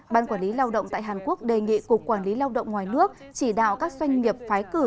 ban quản lý lao động tại hàn quốc đề nghị cục quản lý lao động ngoài nước chỉ đạo các doanh nghiệp phái cử